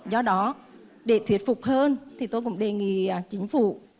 do đó để thuyết phục hơn thì tôi cũng đề nghị chính phủ